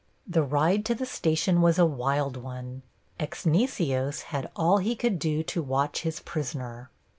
The ride to the station was a wild one. Exnicios had all he could do to watch his prisoner.